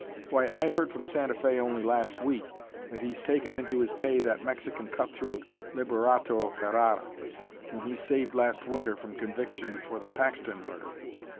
Why, I heard from Santa Fe only last week that he's taken into his pay that Mexican cutthroat, Liberato Herrara, whom he saved last Winter from conviction for the Paxton murder."